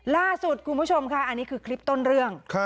ล่าสุดคุณผู้ชมค่ะอันนี้คือคลิปต้นเรื่อง